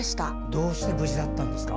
どうして無事だったんですか。